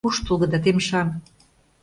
Куштылго да темшан.